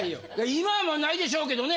今は無いでしょうけどね